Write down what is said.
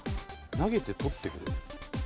投げて取ってくる？